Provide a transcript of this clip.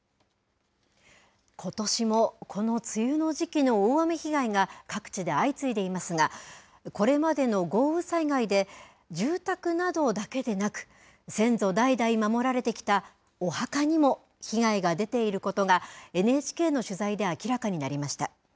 ことしもこの梅雨の時期の大雨被害が、各地で相次いでいますが、これまでの豪雨災害で、住宅などだけでなく、先祖代々守られてきたお墓にも被害が出ていることが、ＮＨＫの取材で明らかになりました。